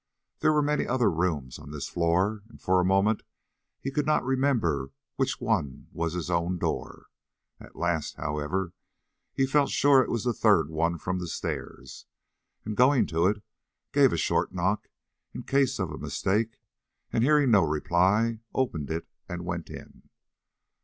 There were many other rooms on this floor, and for a moment he could not remember which was his own door. At last, however, he felt sure it was the third one from the stairs, and, going to it, gave a short knock in case of mistake, and, hearing no reply, opened it and went in.